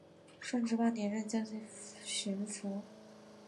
顺治八年任江西巡抚。